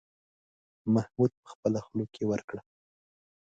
محمود په خوله کې ورکړه.